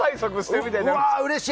うわーうれしい！